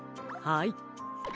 はい。